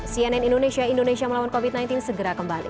cnn indonesia indonesia melawan covid sembilan belas segera kembali